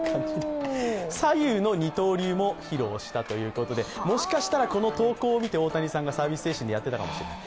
左右の二刀流も披露したということでもしかしたらこの投稿を見て大谷さんがサービス精神でやっていたかもしれない。